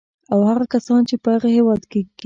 او هغه کسان چې په هغه هېواد کې